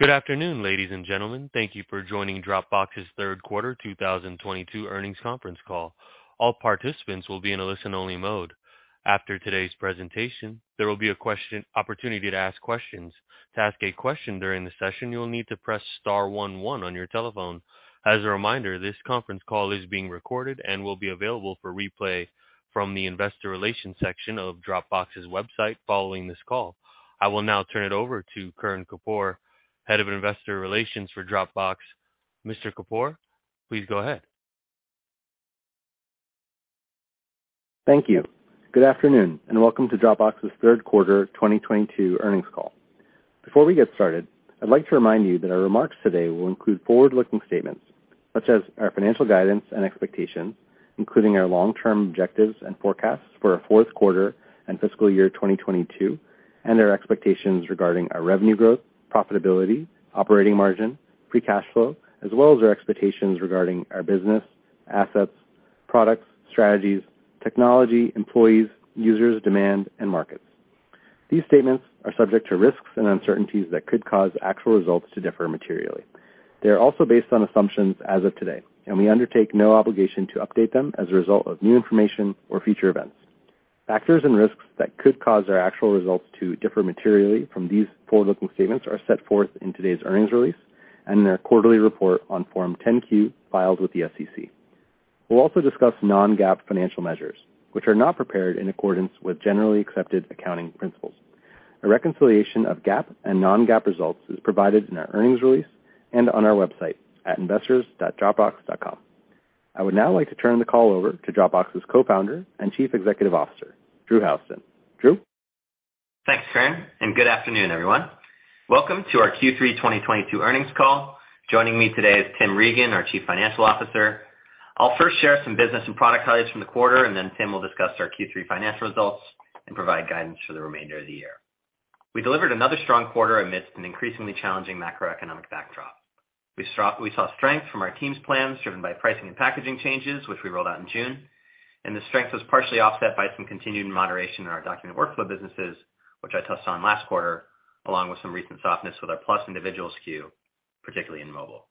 Good afternoon, ladies and gentlemen. Thank you for joining Dropbox's third quarter 2022 earnings conference call. All participants will be in a listen-only mode. After today's presentation, there will be an opportunity to ask questions. To ask a question during the session, you will need to press star one one on your telephone. As a reminder, this conference call is being recorded and will be available for replay from the investor relations section of Dropbox's website following this call. I will now turn it over to Karan Kapoor, Head of Investor Relations for Dropbox. Mr. Kapoor, please go ahead. Thank you. Good afternoon, and welcome to Dropbox's third quarter 2022 earnings call. Before we get started, I'd like to remind you that our remarks today will include forward-looking statements such as our financial guidance and expectations, including our long-term objectives and forecasts for our fourth quarter and fiscal year 2022, and our expectations regarding our revenue growth, profitability, operating margin, free cash flow, as well as our expectations regarding our business, assets, products, strategies, technology, employees, users, demand, and markets. These statements are subject to risks and uncertainties that could cause actual results to differ materially. They are also based on assumptions as of today, and we undertake no obligation to update them as a result of new information or future events. Factors and risks that could cause our actual results to differ materially from these forward-looking statements are set forth in today's earnings release and in our quarterly report on Form 10-Q filed with the SEC. We'll also discuss non-GAAP financial measures, which are not prepared in accordance with generally accepted accounting principles. A reconciliation of GAAP and non-GAAP results is provided in our earnings release and on our website at investors.dropbox.com. I would now like to turn the call over to Dropbox's Co-founder and Chief Executive Officer, Drew Houston. Drew? Thanks, Karan, and good afternoon, everyone. Welcome to our Q3 2022 earnings call. Joining me today is Tim Regan, our Chief Financial Officer. I'll first share some business and product highlights from the quarter, and then Tim will discuss our Q3 financial results and provide guidance for the remainder of the year. We delivered another strong quarter amidst an increasingly challenging macroeconomic backdrop. We saw strength from our team's plans, driven by pricing and packaging changes, which we rolled out in June. The strength was partially offset by some continued moderation in our document workflow businesses, which I touched on last quarter, along with some recent softness with our Plus individual SKU, particularly in mobile.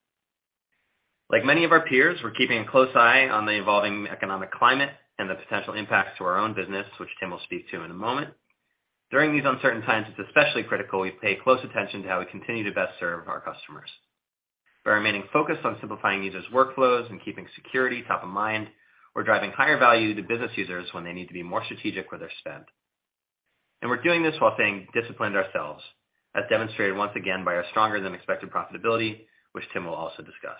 Like many of our peers, we're keeping a close eye on the evolving economic climate and the potential impacts to our own business, which Tim will speak to in a moment. During these uncertain times, it's especially critical we pay close attention to how we continue to best serve our customers. By remaining focused on simplifying users' workflows and keeping security top of mind, we're driving higher value to business users when they need to be more strategic with their spend. We're doing this while staying disciplined ourselves, as demonstrated once again by our stronger than expected profitability, which Tim will also discuss.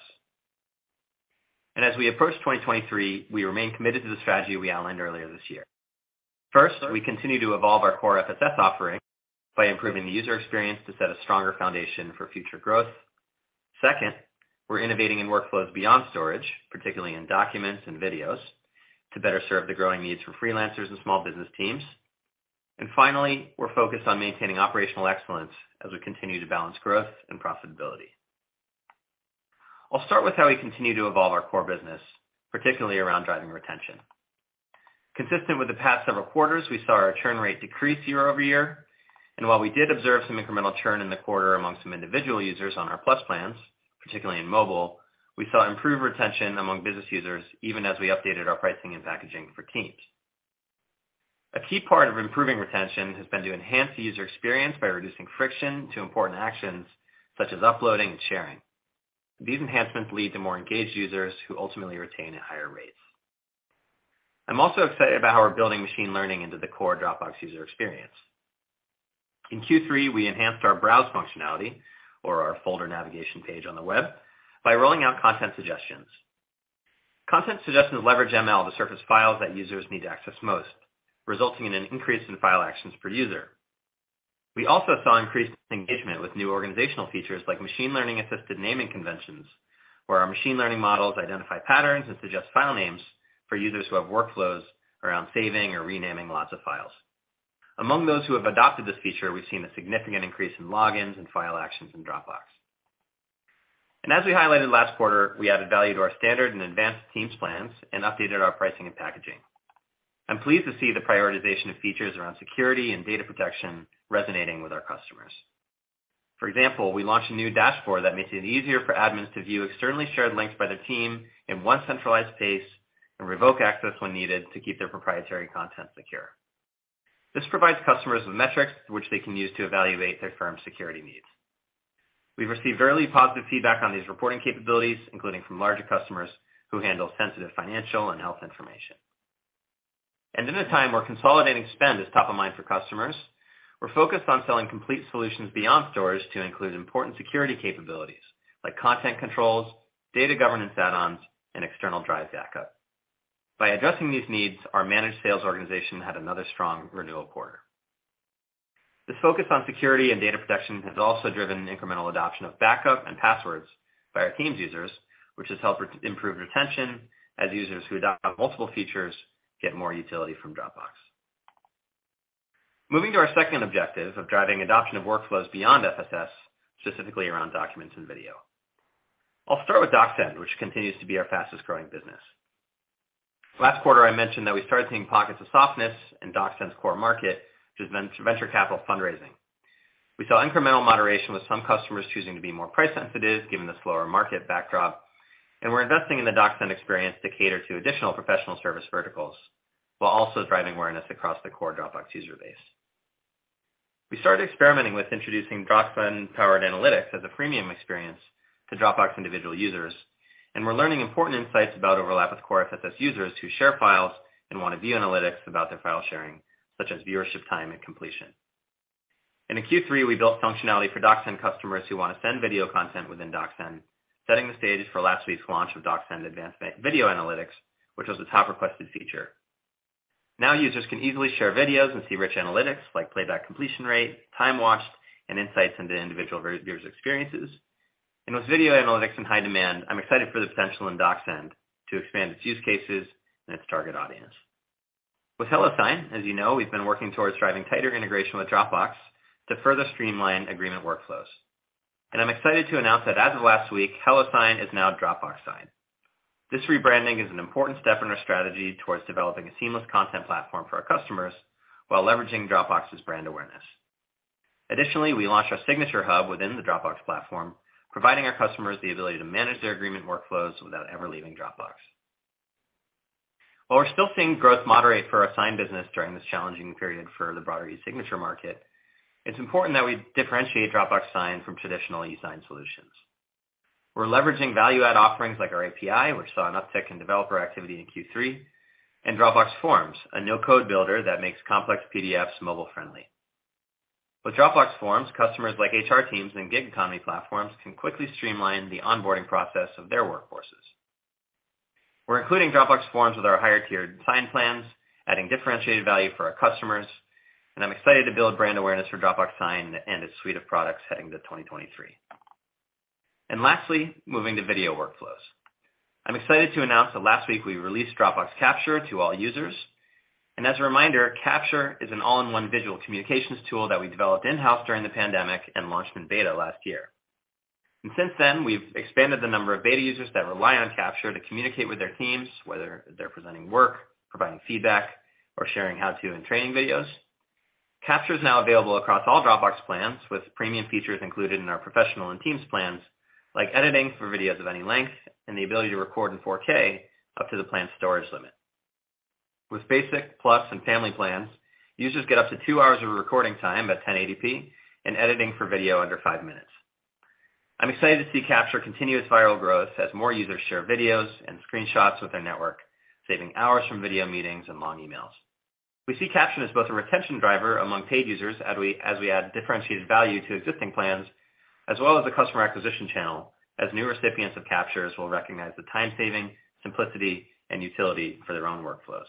As we approach 2023, we remain committed to the strategy we outlined earlier this year. First, we continue to evolve our core FSS offering by improving the user experience to set a stronger foundation for future growth. Second, we're innovating in workflows beyond storage, particularly in documents and videos, to better serve the growing needs for freelancers and small business teams. Finally, we're focused on maintaining operational excellence as we continue to balance growth and profitability. I'll start with how we continue to evolve our core business, particularly around driving retention. Consistent with the past several quarters, we saw our churn rate decrease year-over-year. While we did observe some incremental churn in the quarter among some individual users on our Plus plans, particularly in mobile, we saw improved retention among business users even as we updated our pricing and packaging for teams. A key part of improving retention has been to enhance the user experience by reducing friction to important actions such as uploading and sharing. These enhancements lead to more engaged users who ultimately retain at higher rates. I'm also excited about how we're building machine learning into the core Dropbox user experience. In Q3, we enhanced our browse functionality or our folder navigation page on the web by rolling out content suggestions. Content suggestions leverage ML to surface files that users need to access most, resulting in an increase in file actions per user. We also saw increased engagement with new organizational features like machine learning-assisted naming conventions, where our machine learning models identify patterns and suggest file names for users who have workflows around saving or renaming lots of files. Among those who have adopted this feature, we've seen a significant increase in logins and file actions in Dropbox. As we highlighted last quarter, we added value to our Standard and Advanced Teams plans and updated our pricing and packaging. I'm pleased to see the prioritization of features around security and data protection resonating with our customers. For example, we launched a new dashboard that makes it easier for admins to view externally shared links by their team in one centralized space and revoke access when needed to keep their proprietary content secure. This provides customers with metrics which they can use to evaluate their firm's security needs. We've received very positive feedback on these reporting capabilities, including from larger customers who handle sensitive financial and health information. In a time where consolidating spend is top of mind for customers, we're focused on selling complete solutions beyond storage to include important security capabilities like content controls, data governance add-ons, and external drives backup. By addressing these needs, our managed sales organization had another strong renewal quarter. This focus on security and data protection has also driven an incremental adoption of backup and passwords by our team's users, which has helped improve retention as users who adopt multiple features get more utility from Dropbox. Moving to our second objective of driving adoption of workflows beyond FSS, specifically around documents and video. I'll start with DocSend, which continues to be our fastest-growing business. Last quarter, I mentioned that we started seeing pockets of softness in DocSend's core market, which has been venture capital fundraising. We saw incremental moderation, with some customers choosing to be more price sensitive given the slower market backdrop, and we're investing in the DocSend experience to cater to additional professional service verticals while also driving awareness across the core Dropbox user base. We started experimenting with introducing DocSend-powered analytics as a freemium experience to Dropbox individual users, and we're learning important insights about overlap with core FSS users who share files and wanna view analytics about their file sharing, such as viewership time and completion. In Q3, we built functionality for DocSend customers who wanna send video content within DocSend, setting the stage for last week's launch of DocSend advanced video analytics, which was the top requested feature. Now users can easily share videos and see rich analytics, like playback completion rate, time watched, and insights into individual viewers' experiences. With video analytics in high demand, I'm excited for the potential in DocSend to expand its use cases and its target audience. With HelloSign, as you know, we've been working towards driving tighter integration with Dropbox to further streamline agreement workflows. I'm excited to announce that as of last week, HelloSign is now Dropbox Sign. This rebranding is an important step in our strategy towards developing a seamless content platform for our customers while leveraging Dropbox's brand awareness. Additionally, we launched our signature hub within the Dropbox platform, providing our customers the ability to manage their agreement workflows without ever leaving Dropbox. While we're still seeing growth moderate for our Sign business during this challenging period for the broader e-signature market, it's important that we differentiate Dropbox Sign from traditional e-sign solutions. We're leveraging value-add offerings like our API, which saw an uptick in developer activity in Q3, and Dropbox Forms, a no-code builder that makes complex PDFs mobile friendly. With Dropbox Forms, customers like HR teams and gig economy platforms can quickly streamline the onboarding process of their workforces. We're including Dropbox Forms with our higher tiered Sign plans, adding differentiated value for our customers, and I'm excited to build brand awareness for Dropbox Sign and its suite of products heading into 2023. Lastly, moving to video workflows. I'm excited to announce that last week we released Dropbox Capture to all users. As a reminder, Capture is an all-in-one visual communications tool that we developed in-house during the pandemic and launched in beta last year. Since then, we've expanded the number of beta users that rely on Capture to communicate with their teams, whether they're presenting work, providing feedback, or sharing how-to and training videos. Capture is now available across all Dropbox plans, with premium features included in our Professional and Teams plans, like editing for videos of any length and the ability to record in 4K up to the plan storage limit. With Basic, Plus, and Family plans, users get up to two hours of recording time at 1080p and editing for video under five minutes. I'm excited to see Capture continuous viral growth as more users share videos and screenshots with their network, saving hours from video meetings and long emails. We see Capture as both a retention driver among paid users as we add differentiated value to existing plans, as well as a customer acquisition channel, as new recipients of Captures will recognize the time saving, simplicity, and utility for their own workflows.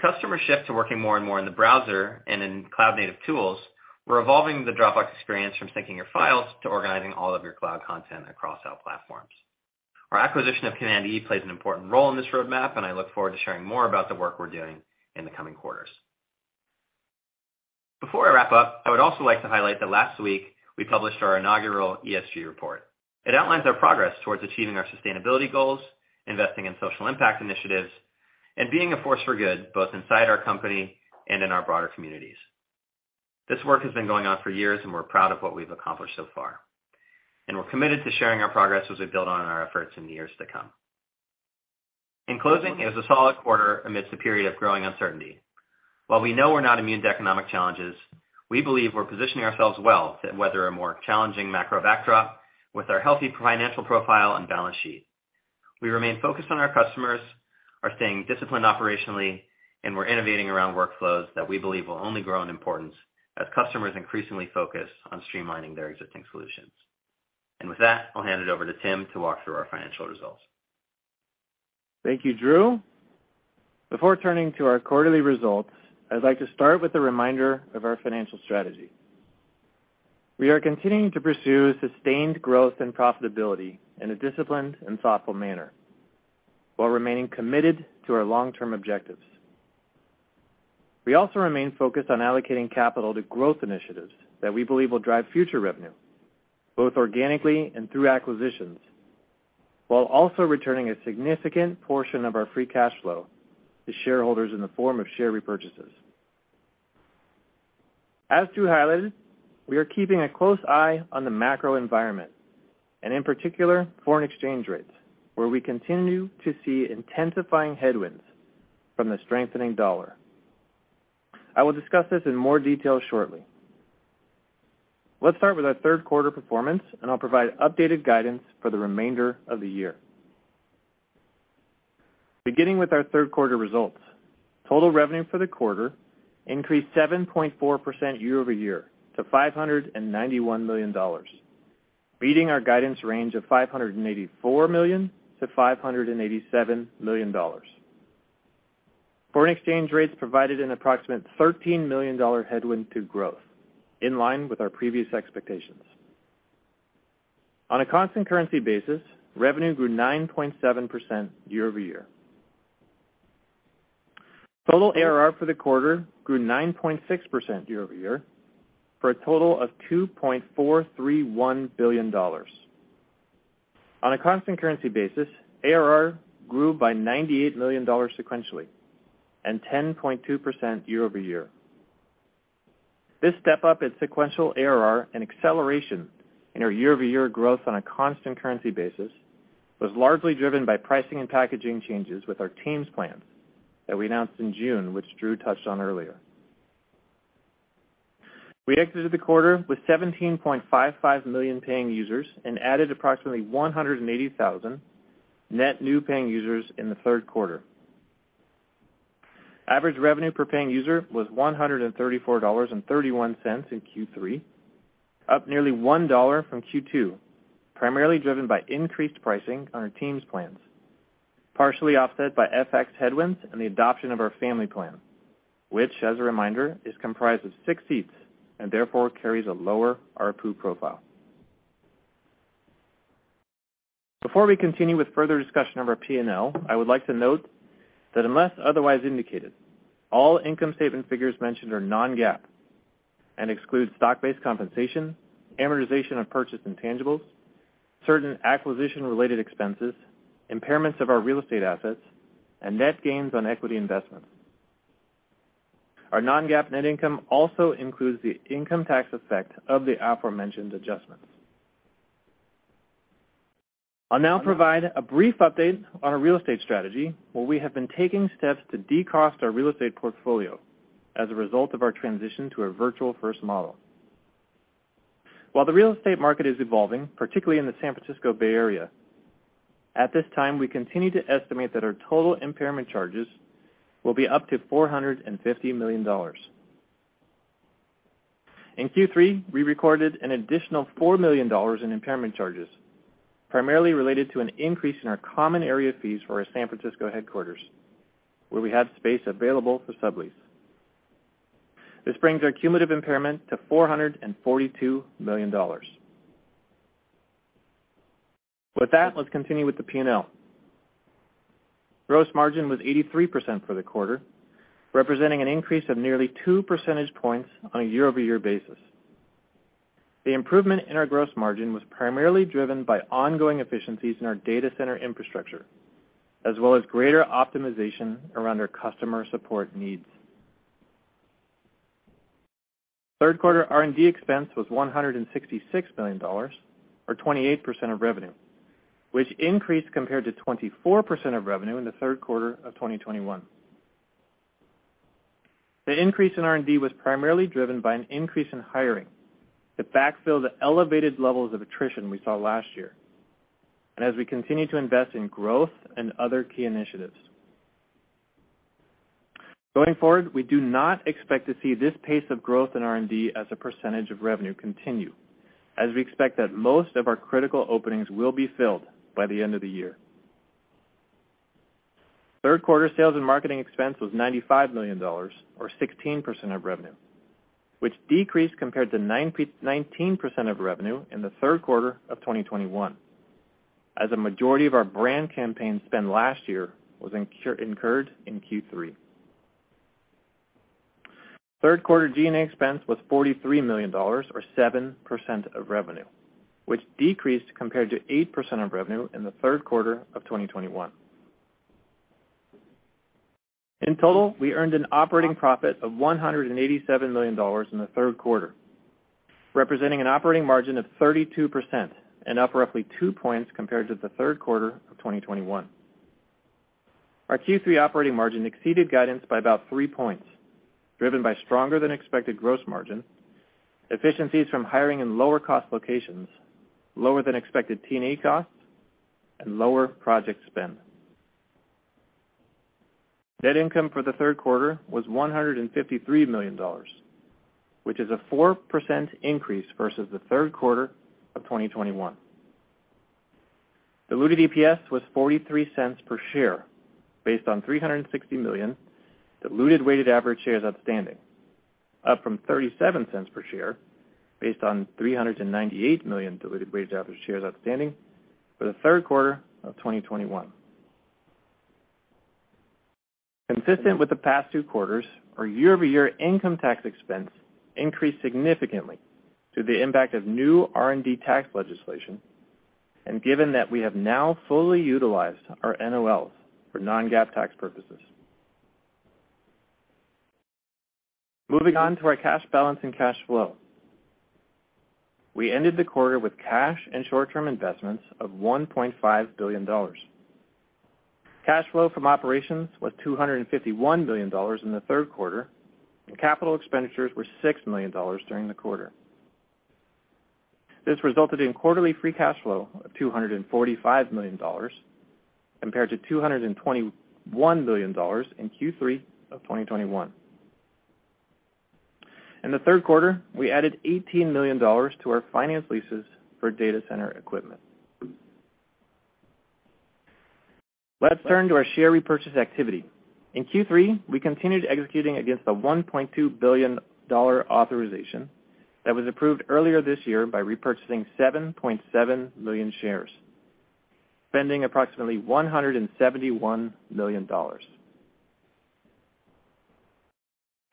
Customers shift to working more and more in the browser and in cloud-native tools, we're evolving the Dropbox experience from syncing your files to organizing all of your cloud content across our platforms. Our acquisition of Command E plays an important role in this roadmap, and I look forward to sharing more about the work we're doing in the coming quarters. Before I wrap up, I would also like to highlight that last week we published our inaugural ESG report. It outlines our progress towards achieving our sustainability goals, investing in social impact initiatives, and being a force for good, both inside our company and in our broader communities. This work has been going on for years, and we're proud of what we've accomplished so far. We're committed to sharing our progress as we build on our efforts in the years to come. In closing, it was a solid quarter amidst a period of growing uncertainty. While we know we're not immune to economic challenges, we believe we're positioning ourselves well to weather a more challenging macro backdrop with our healthy financial profile and balance sheet. We remain focused on our customers, are staying disciplined operationally, and we're innovating around workflows that we believe will only grow in importance as customers increasingly focus on streamlining their existing solutions. With that, I'll hand it over to Tim to walk through our financial results. Thank you, Drew. Before turning to our quarterly results, I'd like to start with a reminder of our financial strategy. We are continuing to pursue sustained growth and profitability in a disciplined and thoughtful manner while remaining committed to our long-term objectives. We also remain focused on allocating capital to growth initiatives that we believe will drive future revenue, both organically and through acquisitions, while also returning a significant portion of our free cash flow to shareholders in the form of share repurchases. As Drew highlighted, we are keeping a close eye on the macro environment and in particular foreign exchange rates, where we continue to see intensifying headwinds from the strengthening dollar. I will discuss this in more detail shortly. Let's start with our third quarter performance, and I'll provide updated guidance for the remainder of the year. Beginning with our third quarter results, total revenue for the quarter increased 7.4% year-over-year to $591 million, beating our guidance range of $584 million-$587 million. Foreign exchange rates provided an approximate $13 million headwind to growth, in line with our previous expectations. On a constant currency basis, revenue grew 9.7% year-over-year. Total ARR for the quarter grew 9.6% year-over-year, for a total of $2.431 billion. On a constant currency basis, ARR grew by $98 million sequentially, and 10.2% year-over-year. This step up in sequential ARR and acceleration in our year-over-year growth on a constant currency basis was largely driven by pricing and packaging changes with our teams plans that we announced in June, which Drew touched on earlier. We exited the quarter with 17.55 million paying users and added approximately 180,000 net new paying users in the third quarter. Average revenue per paying user was $134.31 in Q3, up nearly $1 from Q2, primarily driven by increased pricing on our teams plans, partially offset by FX headwinds and the adoption of our Family plan, which as a reminder, is comprised of six seats and therefore carries a lower ARPU profile. Before we continue with further discussion of our P&L, I would like to note that unless otherwise indicated, all income statement figures mentioned are non-GAAP and exclude stock-based compensation, amortization of purchase intangibles, certain acquisition related expenses, impairments of our real estate assets, and net gains on equity investments. Our non-GAAP net income also includes the income tax effect of the aforementioned adjustments. I'll now provide a brief update on our real estate strategy, where we have been taking steps to de-cost our real estate portfolio as a result of our transition to a Virtual First model. While the real estate market is evolving, particularly in the San Francisco Bay Area, at this time, we continue to estimate that our total impairment charges will be up to $450 million. In Q3, we recorded an additional $4 million in impairment charges, primarily related to an increase in our common area fees for our San Francisco headquarters, where we have space available for sublease. This brings our cumulative impairment to $442 million. With that, let's continue with the P&L. Gross margin was 83% for the quarter, representing an increase of nearly 2 percentage points on a year-over-year basis. The improvement in our gross margin was primarily driven by ongoing efficiencies in our data center infrastructure, as well as greater optimization around our customer support needs. Third quarter R&D expense was $166 million, or 28% of revenue, which increased compared to 24% of revenue in the third quarter of 2021. The increase in R&D was primarily driven by an increase in hiring to backfill the elevated levels of attrition we saw last year and as we continue to invest in growth and other key initiatives. Going forward, we do not expect to see this pace of growth in R&D as a percentage of revenue continue as we expect that most of our critical openings will be filled by the end of the year. Third quarter sales and marketing expense was $95 million or 16% of revenue, which decreased compared to 19% of revenue in the third quarter of 2021, as a majority of our brand campaign spend last year was incurred in Q3. Third quarter G&A expense was $43 million or 7% of revenue, which decreased compared to 8% of revenue in the third quarter of 2021. In total, we earned an operating profit of $187 million in the third quarter, representing an operating margin of 32% and up roughly two points compared to the third quarter of 2021. Our Q3 operating margin exceeded guidance by about three points, driven by stronger than expected gross margin, efficiencies from hiring in lower cost locations, lower than expected T&E costs, and lower project spend. Net income for the third quarter was $153 million, which is a 4% increase versus the third quarter of 2021. Diluted EPS was $0.43 per share based on 360 million diluted weighted average shares outstanding, up from $0.37 per share based on 398 million diluted weighted average shares outstanding for the third quarter of 2021. Consistent with the past two quarters, our year-over-year income tax expense increased significantly due to the impact of new R&D tax legislation and given that we have now fully utilized our NOLs for non-GAAP tax purposes. Moving on to our cash balance and cash flow. We ended the quarter with cash and short-term investments of $1.5 billion. Cash flow from operations was $251 million in the third quarter, and capital expenditures were $6 million during the quarter. This resulted in quarterly free cash flow of $245 million, compared to $221 million in Q3 of 2021. In the third quarter, we added $18 million to our finance leases for data center equipment. Let's turn to our share repurchase activity. In Q3, we continued executing against the $1.2 billion authorization that was approved earlier this year by repurchasing 7.7 million shares, spending approximately $171 million.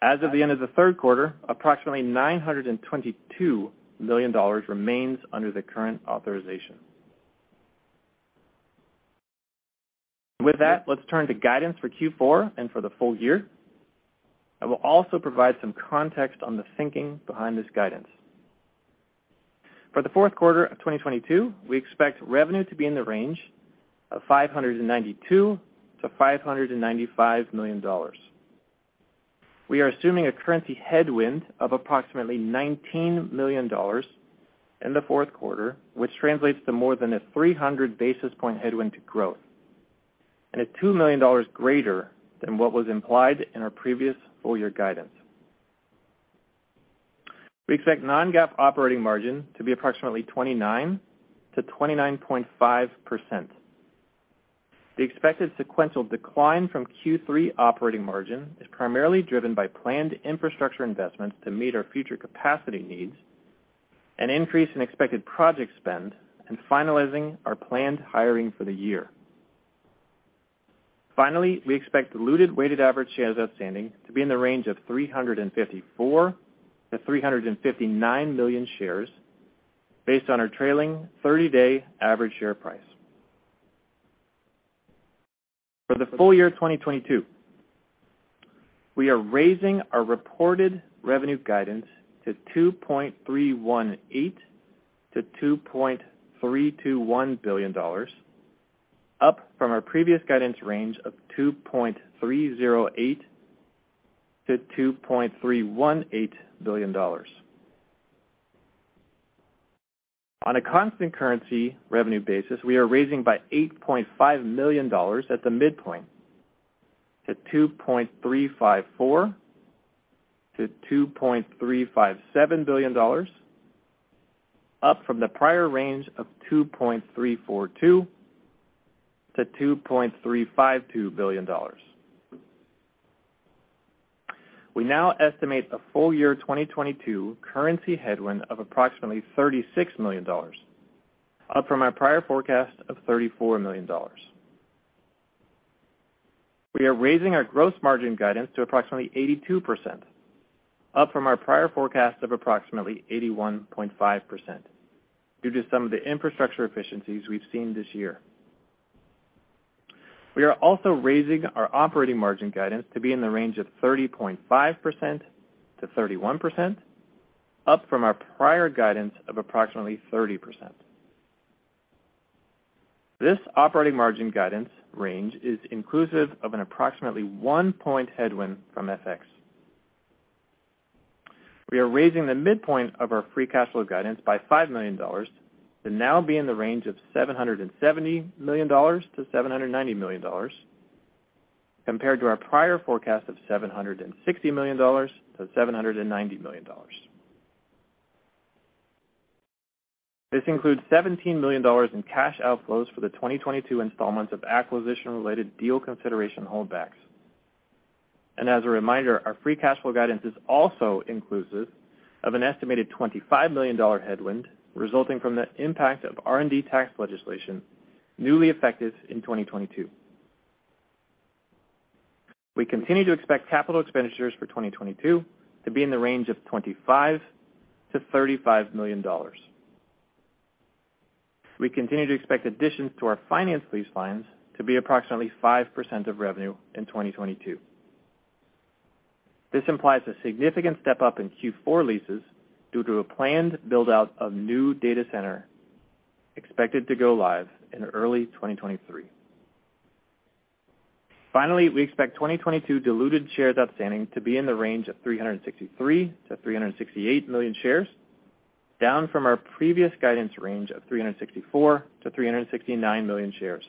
As of the end of the third quarter, approximately $922 million remains under the current authorization. With that, let's turn to guidance for Q4 and for the full year. I will also provide some context on the thinking behind this guidance. For the fourth quarter of 2022, we expect revenue to be in the range of $592 million-$595 million. We are assuming a currency headwind of approximately $19 million in the fourth quarter, which translates to more than a 300 basis points headwind to growth and a $2 million greater than what was implied in our previous full year guidance. We expect non-GAAP operating margin to be approximately 29%-29.5%. The expected sequential decline from Q3 operating margin is primarily driven by planned infrastructure investments to meet our future capacity needs, an increase in expected project spend, and finalizing our planned hiring for the year. Finally, we expect diluted weighted average shares outstanding to be in the range of 354 million-359 million shares based on our trailing 30-day average share price. For the full year 2022, we are raising our reported revenue guidance to $2.318 billion-$2.321 billion, up from our previous guidance range of $2.308 billion-$2.318 billion. On a constant currency revenue basis, we are raising by $8.5 million at the midpoint to $2.354 billion-$2.357 billion, up from the prior range of $2.342 billion-$2.352 billion. We now estimate a full year 2022 currency headwind of approximately $36 million, up from our prior forecast of $34 million. We are raising our gross margin guidance to approximately 82%, up from our prior forecast of approximately 81.5% due to some of the infrastructure efficiencies we've seen this year. We are also raising our operating margin guidance to be in the range of 30.5%-31%, up from our prior guidance of approximately 30%. This operating margin guidance range is inclusive of an approximately 1 point headwind from FX. We are raising the midpoint of our free cash flow guidance by $5 million to now be in the range of $770 million-$790 million, compared to our prior forecast of $760 million-$790 million. This includes $17 million in cash outflows for the 2022 installments of acquisition-related deal consideration holdbacks. As a reminder, our free cash flow guidance is also inclusive of an estimated $25 million headwind resulting from the impact of R&D tax legislation newly effective in 2022. We continue to expect capital expenditures for 2022 to be in the range of $25 million-$35 million. We continue to expect additions to our finance lease lines to be approximately 5% of revenue in 2022. This implies a significant step-up in Q4 leases due to a planned build-out of new data center expected to go live in early 2023. Finally, we expect 2022 diluted shares outstanding to be in the range of 363 million-368 million shares, down from our previous guidance range of 364 million-369 million shares.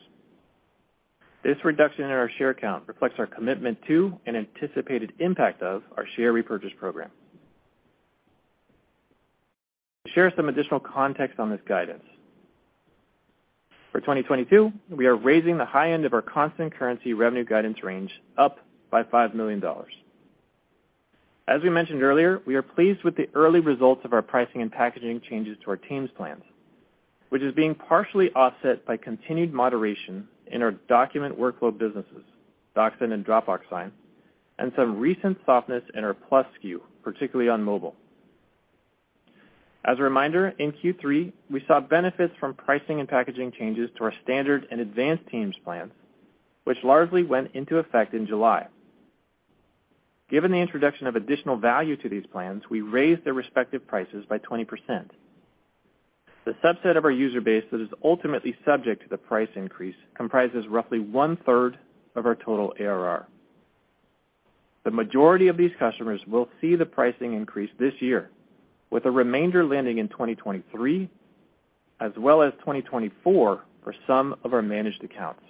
This reduction in our share count reflects our commitment to and anticipated impact of our share repurchase program. To share some additional context on this guidance. For 2022, we are raising the high end of our constant currency revenue guidance range up by $5 million. As we mentioned earlier, we are pleased with the early results of our pricing and packaging changes to our Teams plans, which is being partially offset by continued moderation in our document workflow businesses, DocSend and Dropbox Sign, and some recent softness in our Plus SKU, particularly on mobile. As a reminder, in Q3, we saw benefits from pricing and packaging changes to our Standard and Advanced Teams plans, which largely went into effect in July. Given the introduction of additional value to these plans, we raised their respective prices by 20%. The subset of our user base that is ultimately subject to the price increase comprises roughly 1/3 of our total ARR. The majority of these customers will see the pricing increase this year, with a remainder landing in 2023 as well as 2024 for some of our managed accounts.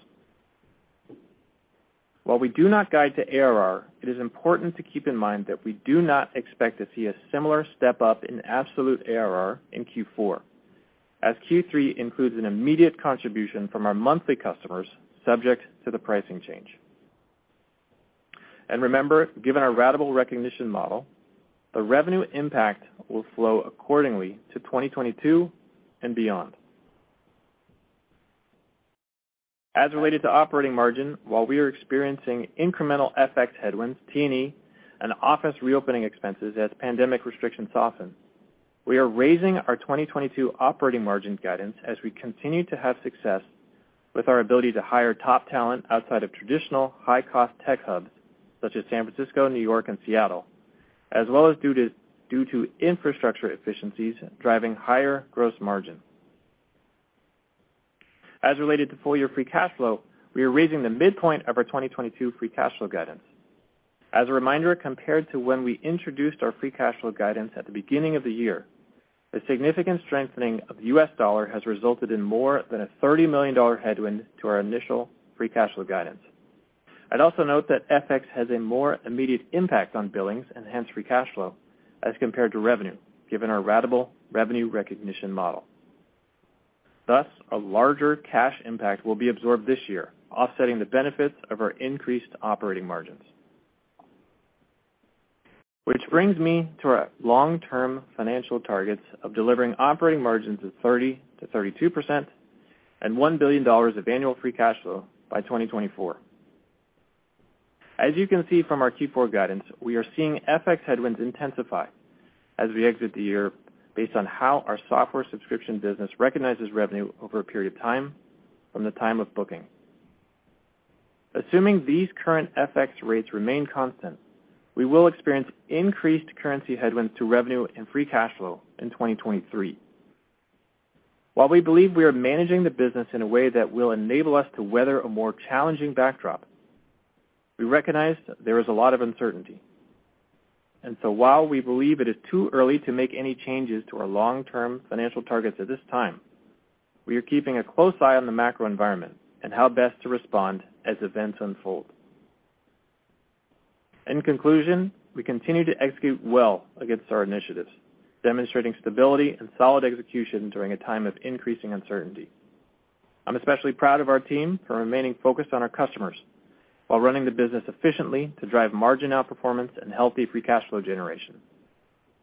While we do not guide to ARR, it is important to keep in mind that we do not expect to see a similar step-up in absolute ARR in Q4, as Q3 includes an immediate contribution from our monthly customers subject to the pricing change. Remember, given our ratable recognition model, the revenue impact will flow accordingly to 2022 and beyond. As related to operating margin, while we are experiencing incremental FX headwinds, T&E, and office reopening expenses as pandemic restrictions soften, we are raising our 2022 operating margin guidance as we continue to have success with our ability to hire top talent outside of traditional high-cost tech hubs, such as San Francisco, New York, and Seattle, as well as due to infrastructure efficiencies driving higher gross margin. As related to full year free cash flow, we are raising the midpoint of our 2022 free cash flow guidance. As a reminder, compared to when we introduced our free cash flow guidance at the beginning of the year, the significant strengthening of the U.S. dollar has resulted in more than a $30 million headwind to our initial free cash flow guidance. I'd also note that FX has a more immediate impact on billings, and hence free cash flow, as compared to revenue, given our ratable revenue recognition model. Thus, a larger cash impact will be absorbed this year, offsetting the benefits of our increased operating margins. Which brings me to our long-term financial targets of delivering operating margins of 30%-32% and $1 billion of annual free cash flow by 2024. As you can see from our Q4 guidance, we are seeing FX headwinds intensify as we exit the year based on how our software subscription business recognizes revenue over a period of time from the time of booking. Assuming these current FX rates remain constant, we will experience increased currency headwinds to revenue and free cash flow in 2023. While we believe we are managing the business in a way that will enable us to weather a more challenging backdrop, we recognize there is a lot of uncertainty. While we believe it is too early to make any changes to our long-term financial targets at this time, we are keeping a close eye on the macro environment and how best to respond as events unfold. In conclusion, we continue to execute well against our initiatives, demonstrating stability and solid execution during a time of increasing uncertainty. I'm especially proud of our team for remaining focused on our customers while running the business efficiently to drive margin outperformance and healthy free cash flow generation,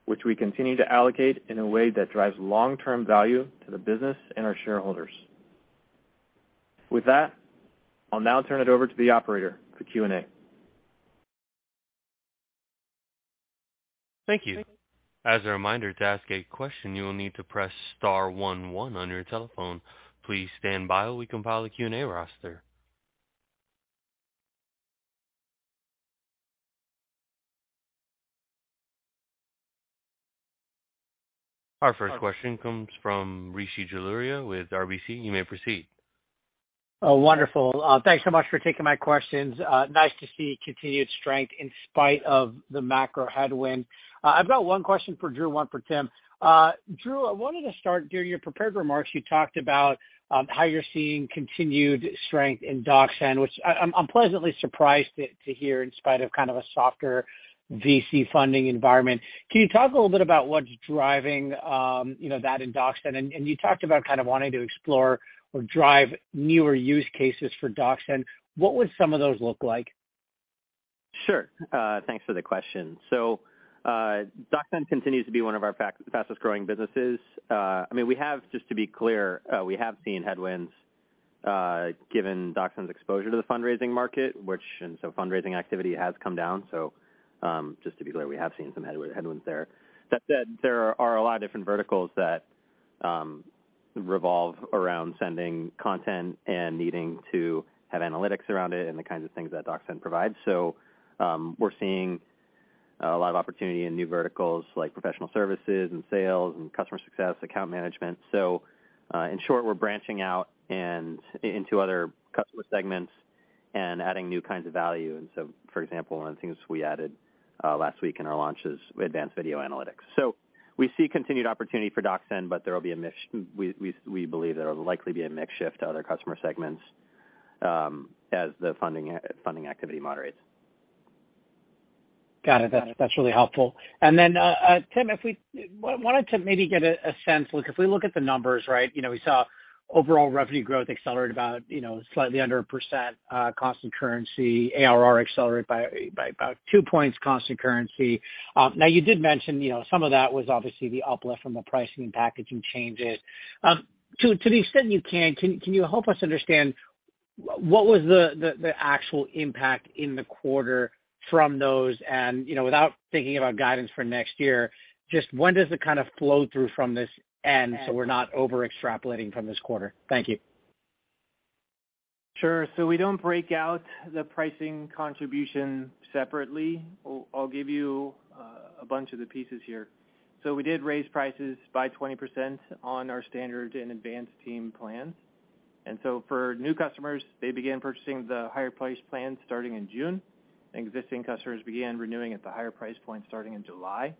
which we continue to allocate in a way that drives long-term value to the business and our shareholders. With that, I'll now turn it over to the Operator for Q&A. Thank you. As a reminder, to ask a question, you will need to press star one one on your telephone. Please stand by while we compile a Q&A roster. Our first question comes from Rishi Jaluria with RBC. You may proceed. Oh, wonderful. Thanks so much for taking my questions. Nice to see continued strength in spite of the macro headwind. I've got one question for Drew, one for Tim. Drew, I wanted to start, during your prepared remarks, you talked about, how you're seeing continued strength in DocSend, which I'm pleasantly surprised to hear in spite of kind of a softer VC funding environment. Can you talk a little bit about what's driving, you know, that in DocSend? And you talked about kind of wanting to explore or drive newer use cases for DocSend. What would some of those look like? Sure. Thanks for the question. DocSend continues to be one of our fastest-growing businesses. I mean, just to be clear, we have seen headwinds, given DocSend's exposure to the fundraising market, and so fundraising activity has come down. Just to be clear, we have seen some headwinds there. That said, there are a lot of different verticals that revolve around sending content and needing to have analytics around it and the kinds of things that DocSend provides. We're seeing a lot of opportunity in new verticals like professional services and sales and customer success, account management. In short, we're branching out and into other customer segments and adding new kinds of value. For example, one of the things we added last week in our launch is advanced video analytics. We see continued opportunity for DocSend, but we believe there will likely be a mix shift to other customer segments as the funding activity moderates. Got it. That's really helpful. Then, Tim, if we wanted to maybe get a sense, like if we look at the numbers, right, you know, we saw overall revenue growth accelerate about, you know, slightly under 1% constant currency, ARR accelerate by about 2 points constant currency. Now you did mention, you know, some of that was obviously the uplift from the pricing and packaging changes. To the extent you can, can you help us understand what was the actual impact in the quarter from those? You know, without thinking about guidance for next year, just when does it kind of flow through from this end so we're not over-extrapolating from this quarter? Thank you. Sure. We don't break out the pricing contribution separately. I'll give you a bunch of the pieces here. We did raise prices by 20% on our Standard and Advanced Team plans. For new customers, they began purchasing the higher priced plans starting in June, and existing customers began renewing at the higher price point starting in July.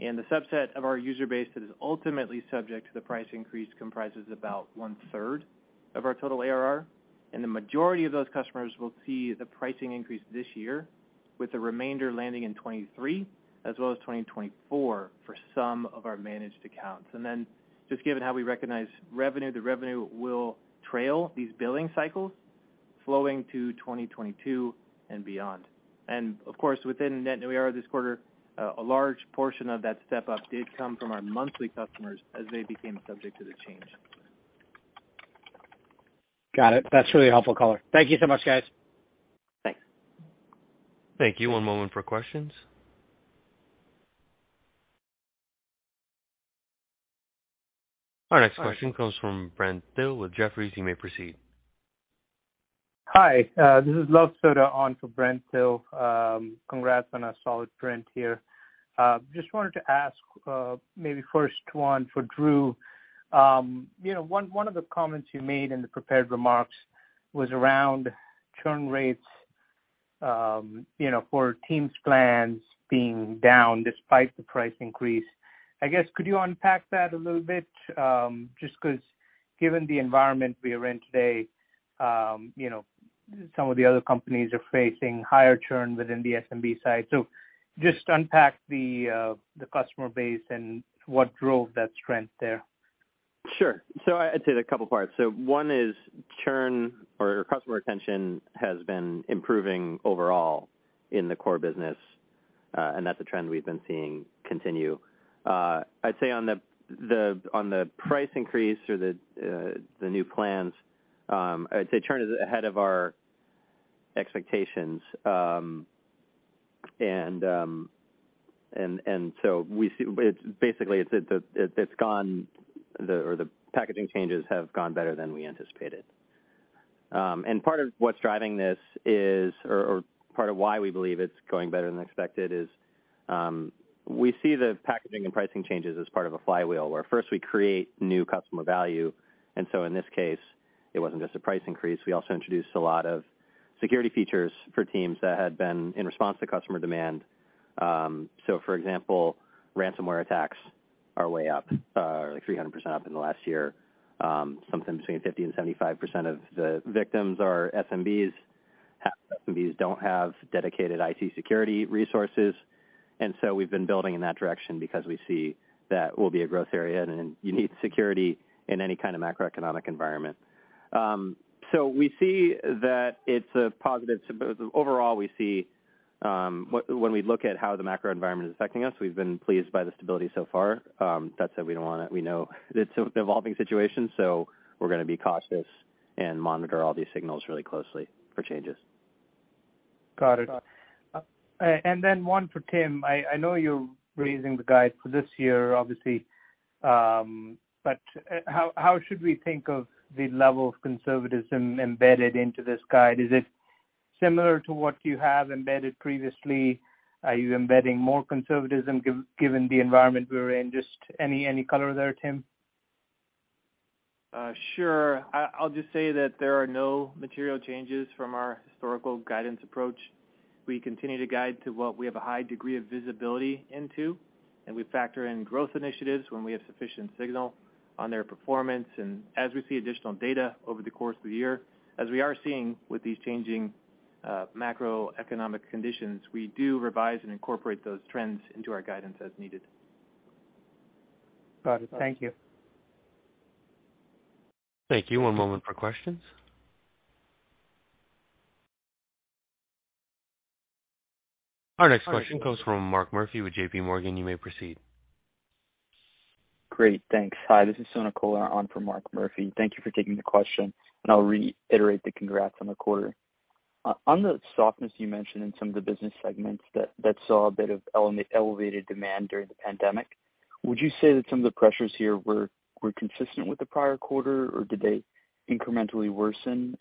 The subset of our user base that is ultimately subject to the price increase comprises about 1/3 of our total ARR, and the majority of those customers will see the pricing increase this year, with the remainder landing in 2023 as well as 2024 for some of our managed accounts. Just given how we recognize revenue, the revenue will trail these billing cycles slowing to 2022 and beyond. Of course, within net new ARR this quarter, a large portion of that step-up did come from our monthly customers as they became subject to the change. Got it. That's really helpful color. Thank you so much, guys. Thanks. Thank you. One moment for questions. Our next question comes from Brent Thill with Jefferies. You may proceed. Hi. This is Luv Sodha on for Brent Thill. Congrats on a solid trend here. Just wanted to ask, maybe first one for Drew. You know, one of the comments you made in the prepared remarks was around churn rates, you know, for Teams plans being down despite the price increase. I guess, could you unpack that a little bit? Just 'cause given the environment we are in today, you know, some of the other companies are facing higher churn within the SMB side. Just unpack the customer base and what drove that strength there. Sure. I'd say a couple parts. One is churn or customer retention has been improving overall in the core business, and that's a trend we've been seeing continue. I'd say on the price increase or the new plans, I'd say churn is ahead of our expectations. It's basically the packaging changes have gone better than we anticipated. Part of what's driving this or part of why we believe it's going better than expected is we see the packaging and pricing changes as part of a flywheel, where first we create new customer value. In this case, it wasn't just a price increase. We also introduced a lot of security features for Teams that had been in response to customer demand. For example, ransomware attacks are way up, like 300% up in the last year. Something between 50%-75% of the victims are SMBs. SMBs don't have dedicated IT security resources, and we've been building in that direction because we see that will be a growth area, and you need security in any kind of macroeconomic environment. Overall, we see, when we look at how the macro environment is affecting us, we've been pleased by the stability so far. That said, we know it's an evolving situation, so we're gonna be cautious and monitor all these signals really closely for changes. Got it. One for Tim. I know you're raising the guide for this year, obviously. How should we think of the level of conservatism embedded into this guide? Is it similar to what you have embedded previously? Are you embedding more conservatism given the environment we're in? Just any color there, Tim? Sure. I'll just say that there are no material changes from our historical guidance approach. We continue to guide to what we have a high degree of visibility into, and we factor in growth initiatives when we have sufficient signal on their performance. As we see additional data over the course of the year, as we are seeing with these changing macroeconomic conditions, we do revise and incorporate those trends into our guidance as needed. Got it. Thank you. Thank you. One moment for questions. Our next question comes from Mark Murphy with JPMorgan. You may proceed. Great, thanks. Hi, this is Sanjit Singh on for Mark Murphy. Thank you for taking the question, and I'll reiterate the congrats on the quarter. On the softness you mentioned in some of the business segments that saw a bit of elevated demand during the pandemic, would you say that some of the pressures here were consistent with the prior quarter, or did they incrementally worsen?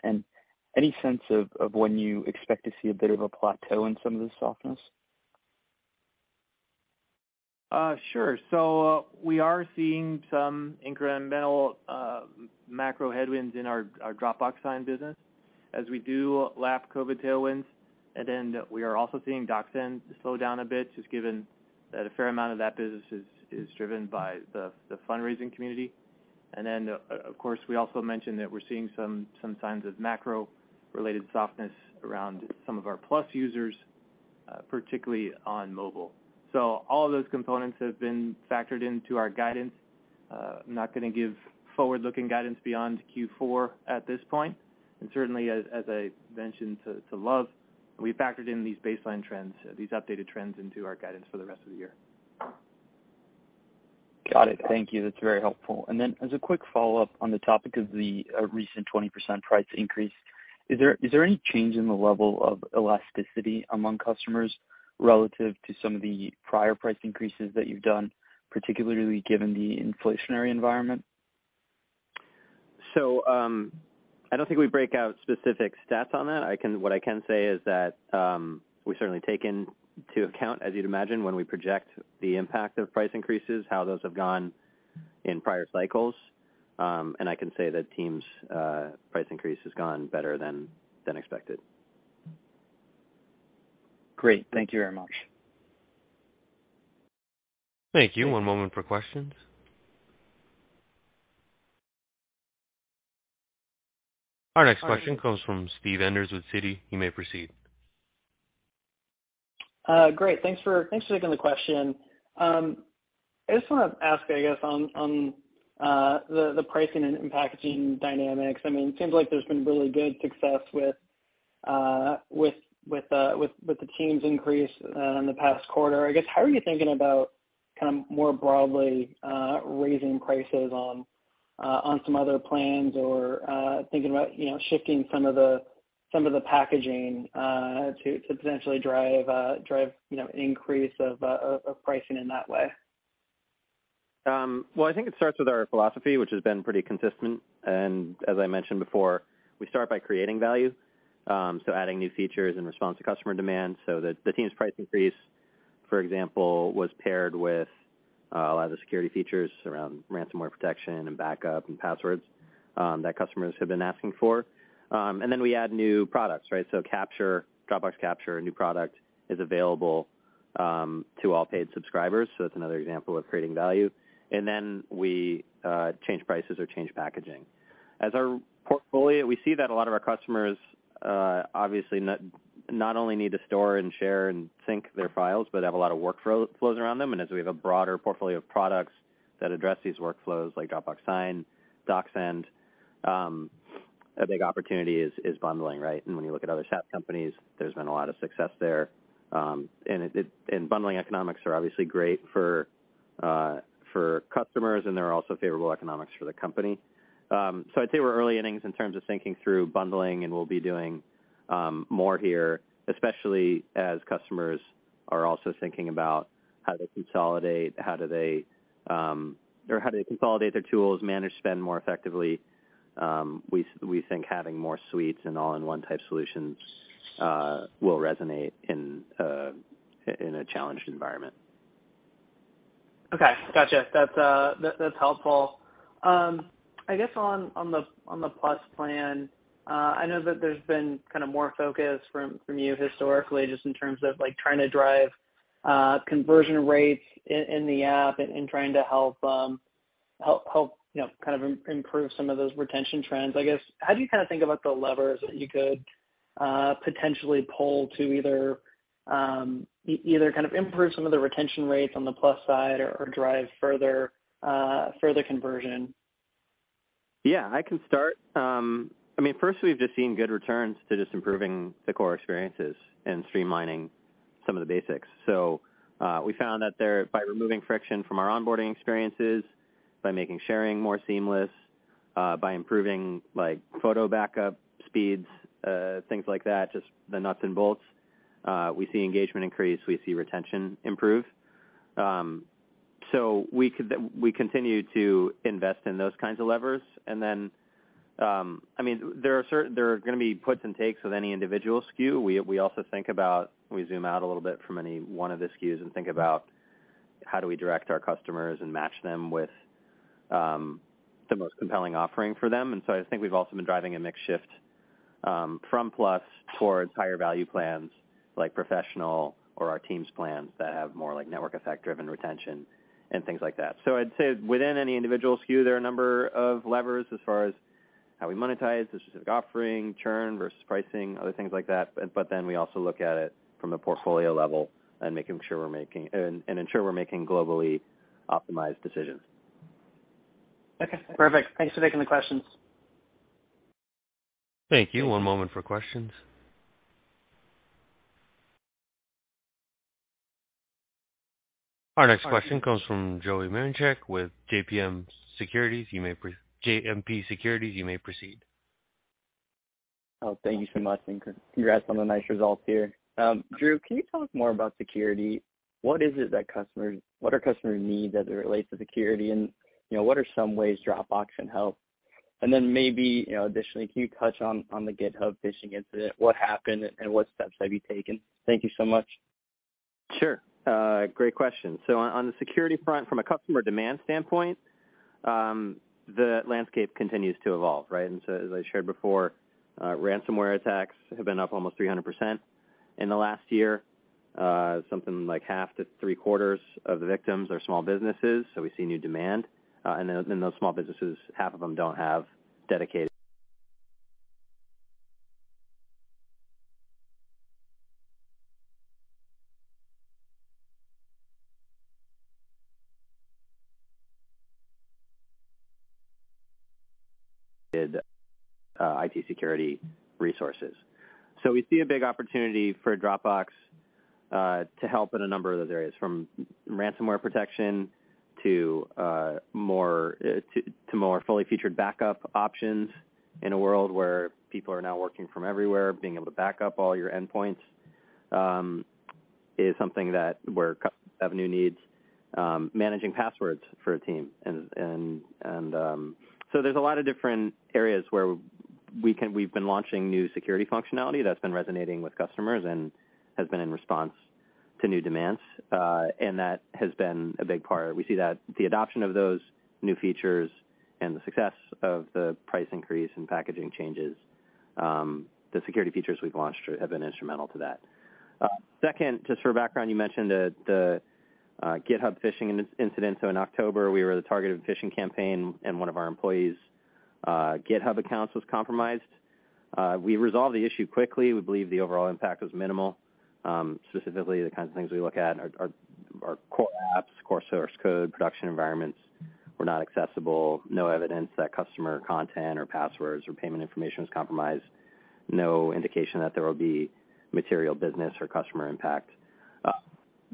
Any sense of when you expect to see a bit of a plateau in some of the softness? Sure. We are seeing some incremental macro headwinds in our Dropbox Sign business as we do lap COVID tailwinds. We are also seeing DocSend slow down a bit, just given that a fair amount of that business is driven by the fundraising community. Of course, we also mentioned that we're seeing some signs of macro-related softness around some of our Plus users, particularly on mobile. All of those components have been factored into our guidance. I'm not gonna give forward-looking guidance beyond Q4 at this point. Certainly, as I mentioned to Luv, we factored in these baseline trends, these updated trends into our guidance for the rest of the year. Got it. Thank you. That's very helpful. As a quick follow-up on the topic of the recent 20% price increase, is there any change in the level of elasticity among customers relative to some of the prior price increases that you've done, particularly given the inflationary environment? I don't think we break out specific stats on that. What I can say is that we certainly take into account, as you'd imagine, when we project the impact of price increases, how those have gone in prior cycles. I can say that Teams price increase has gone better than expected. Great. Thank you very much. Thank you. One moment for questions. Our next question comes from Steve Enders with Citi. You may proceed. Great. Thanks for taking the question. I just wanna ask, I guess, on the pricing and packaging dynamics. I mean, it seems like there's been really good success with the Teams increase in the past quarter. I guess, how are you thinking about kind of more broadly raising prices on some other plans or thinking about, you know, shifting some of the packaging to potentially drive, you know, an increase of pricing in that way? Well, I think it starts with our philosophy which has been pretty consistent. As I mentioned before, we start by creating value, so adding new features in response to customer demand. The Team's price increase, for example, was paired with a lot of the security features around ransomware protection and backup and passwords that customers have been asking for. We add new products, right? Capture, Dropbox Capture, a new product, is available to all paid subscribers, so that's another example of creating value. We change prices or change packaging. As our portfolio, we see that a lot of our customers obviously not only need to store and share and sync their files, but have a lot of workflows around them. As we have a broader portfolio of products that address these workflows like Dropbox Sign, DocSend, a big opportunity is bundling, right? When you look at other SaaS companies, there's been a lot of success there. Bundling economics are obviously great for customers, and they're also favorable economics for the company. I'd say we're early innings in terms of thinking through bundling, and we'll be doing more here, especially as customers are also thinking about how to consolidate, or how they consolidate their tools, manage spend more effectively. We think having more suites and all-in-one type solutions will resonate in a challenged environment. Okay. Gotcha. That's helpful. I guess on the Plus plan, I know that there's been kind of more focus from you historically, just in terms of like trying to drive conversion rates in the app and trying to help, you know, kind of, improve some of those retention trends. I guess, how do you kinda think about the levers that you could potentially pull to either kind of improve some of the retention rates on the Plus side or drive further conversion? Yeah, I can start. I mean, first, we've just seen good returns to just improving the core experiences and streamlining some of the basics. We found that there, by removing friction from our onboarding experiences, by making sharing more seamless, by improving like photo backup speeds, things like that, just the nuts and bolts, we see engagement increase, we see retention improve. We continue to invest in those kinds of levers. I mean, there are gonna be puts and takes with any individual SKU. We also think about, we zoom out a little bit from any one of the SKUs and think about how do we direct our customers and match them with the most compelling offering for them. I think we've also been driving a mix shift from Plus towards higher value plans like Professional or our Teams plans that have more like network effect driven retention and things like that. I'd say within any individual SKU, there are a number of levers as far as how we monetize the specific offering, churn versus pricing, other things like that. But then we also look at it from a portfolio level and ensuring we're making globally optimized decisions. Okay. Perfect. Thanks for taking the questions. Thank you. One moment for questions. Our next question comes from Joey Marincek with JMP Securities. You may proceed. Oh, thank you so much, and congrats on the nice results here. Drew, can you talk more about security? What are customers' needs as it relates to security? You know, what are some ways Dropbox can help? Then maybe, you know, additionally, can you touch on the GitHub phishing incident? What happened and what steps have you taken? Thank you so much. Great question. On the security front from a customer demand standpoint, the landscape continues to evolve, right? As I shared before, ransomware attacks have been up almost 300% in the last year. Something like 1/2 to 3/4 of the victims are small businesses, so we see new demand. Those small businesses, half of them don't have dedicated IT security resources. We see a big opportunity for Dropbox to help in a number of those areas, from ransomware protection to more fully featured backup options. In a world where people are now working from everywhere, being able to back up all your endpoints is something that we have new needs managing passwords for a team. There's a lot of different areas where we've been launching new security functionality that's been resonating with customers and has been in response to new demands. That has been a big part. We see that the adoption of those new features and the success of the price increase and packaging changes, the security features we've launched have been instrumental to that. Second, just for background, you mentioned the GitHub phishing incident. In October, we were the target of a phishing campaign, and one of our employees' GitHub accounts was compromised. We resolved the issue quickly. We believe the overall impact was minimal. Specifically, the kinds of things we look at are core apps, core source code, production environments were not accessible, no evidence that customer content or passwords or payment information was compromised, no indication that there will be material business or customer impact.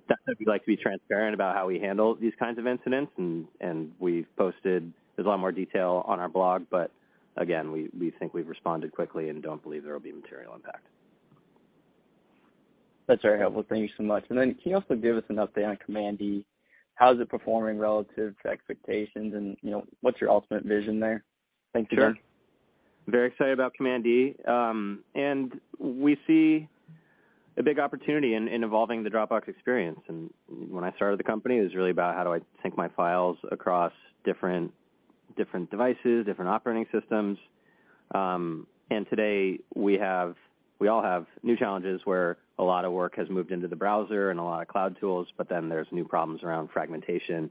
That said, we'd like to be transparent about how we handle these kinds of incidents, and we've posted. There's a lot more detail on our blog, but again, we think we've responded quickly and don't believe there will be material impact. That's very helpful. Thank you so much. Can you also give us an update on Command E? How is it performing relative to expectations and, you know, what's your ultimate vision there? Thank you. Sure. Very excited about Command E. We see a big opportunity in evolving the Dropbox experience. When I started the company, it was really about how do I sync my files across different devices, different operating systems. Today we all have new challenges where a lot of work has moved into the browser and a lot of cloud tools, but then there's new problems around fragmentation,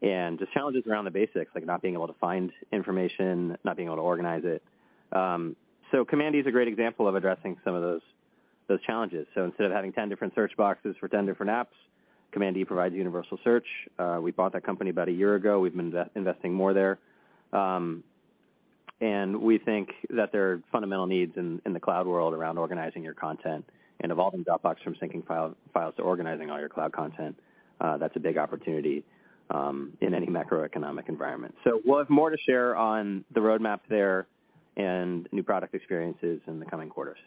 and just challenges around the basics, like not being able to find information, not being able to organize it. Command E is a great example of addressing some of those challenges. Instead of having 10 different search boxes for 10 different apps, Command E provides universal search. We bought that company about a year ago. We've been investing more there. We think that there are fundamental needs in the cloud world around organizing your content and evolving Dropbox from syncing files to organizing all your cloud content. That's a big opportunity in any macroeconomic environment. We'll have more to share on the roadmap there and new product experiences in the coming quarters.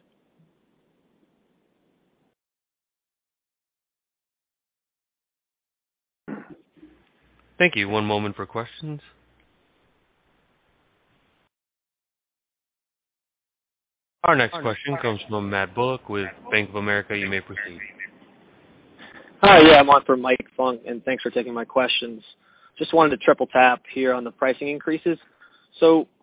Thank you. One moment for questions. Our next question comes from Matthew Bullock with Bank of America. You may proceed. Hi. Yeah, I'm on for Mike Funk, and thanks for taking my questions. Just wanted to triple tap here on the pricing increases.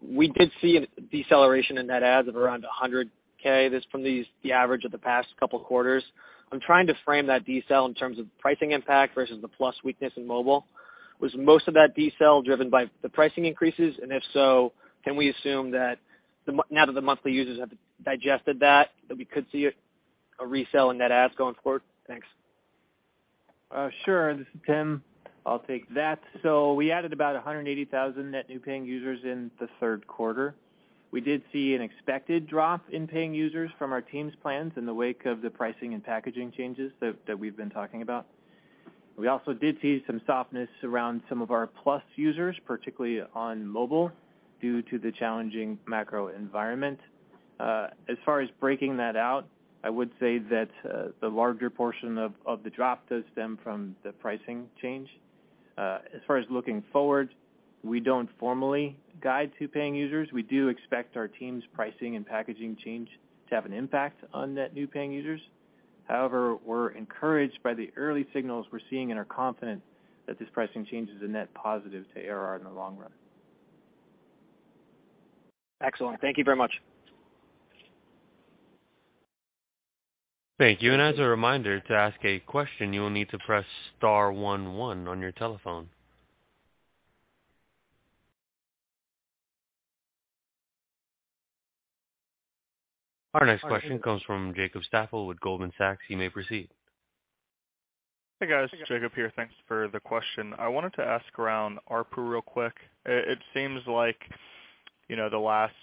We did see a deceleration in net adds of around 100K. This from the average of the past couple quarters. I'm trying to frame that decel in terms of pricing impact versus the Plus weakness in mobile. Was most of that decel driven by the pricing increases? If so, can we assume that now that the monthly users have digested that we could see a re-accel in net adds going forward? Thanks. This is Tim. I'll take that. We added about 180,000 net new paying users in the third quarter. We did see an expected drop in paying users from our Teams' plans in the wake of the pricing and packaging changes that we've been talking about. We also did see some softness around some of our Plus users, particularly on mobile, due to the challenging macro environment. As far as breaking that out, I would say that the larger portion of the drop does stem from the pricing change. As far as looking forward, we don't formally guide to paying users. We do expect our Teams' pricing and packaging change to have an impact on net new paying users. However, we're encouraged by the early signals we're seeing and are confident that this pricing change is a net positive to ARR in the long run. Excellent. Thank you very much. Thank you. As a reminder, to ask a question, you will need to press star one one on your telephone. Our next question comes from Jacob Stafford with Goldman Sachs. You may proceed. Hey, guys. Jacob here. Thanks for the question. I wanted to ask around ARPU real quick. It seems like, you know, the last,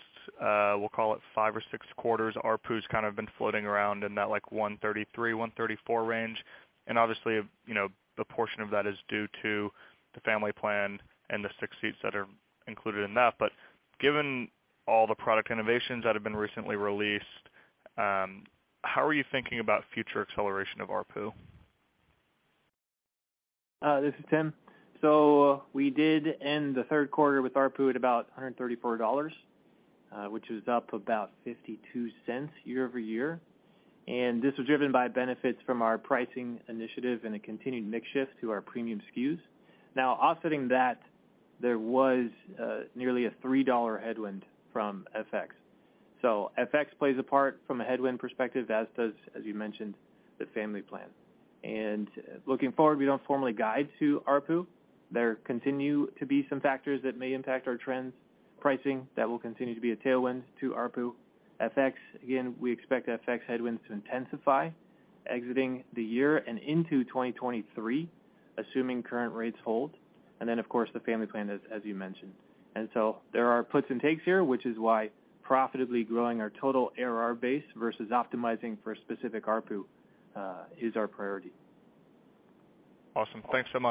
we'll call it five or six quarters, ARPU's kind of been floating around in that, like, $133-$134 range. Obviously, you know, a portion of that is due to the Family plan and the six seats that are included in that. Given all the product innovations that have been recently released, how are you thinking about future acceleration of ARPU? This is Tim. We did end the third quarter with ARPU at about $134, which is up about $0.52 year-over-year. This was driven by benefits from our pricing initiative and a continued mix shift to our premium SKUs. Now, offsetting that, there was nearly a $3 headwind from FX. FX plays a part from a headwind perspective, as does, as you mentioned, the Family plan. Looking forward, we don't formally guide to ARPU. There continue to be some factors that may impact our trends. Pricing, that will continue to be a tailwind to ARPU. FX, again, we expect FX headwinds to intensify exiting the year and into 2023, assuming current rates hold. Then, of course, the Family plan, as you mentioned. There are puts and takes here, which is why profitably growing our total ARR base versus optimizing for a specific ARPU is our priority. Awesome. Thanks so much.